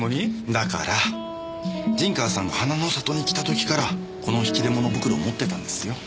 だから陣川さんが花の里に来た時からこの引き出物袋を持ってたんですよ。